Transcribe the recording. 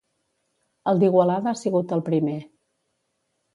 El d'Igualada ha sigut el primer.